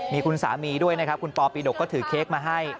มีคุณสามีด้วยนะครับคุณปอปีดกก็ถือเค้กมาให้